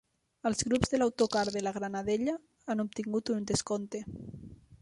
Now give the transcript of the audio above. Els grups de l'autocar de La Granadella han obtingut un descompte.